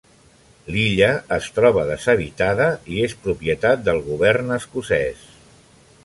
L'illa es troba deshabitada i és propietat del Govern Escocès.